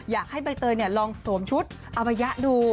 อยากให้ใบเตยลองสวมชุดอมยะดู